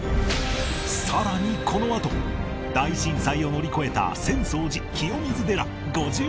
さらにこのあと大震災を乗り越えた浅草寺清水寺五重塔